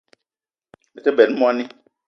Me te benn moni